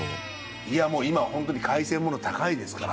いやもう今はホントに海鮮もの高いですから。